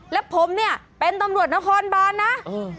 และผมเนี่ยเป็นตำรวจนครบานนะ